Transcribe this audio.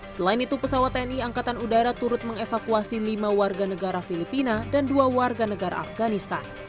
selain itu pesawat tni angkatan udara turut mengevakuasi lima warga negara filipina dan dua warga negara afganistan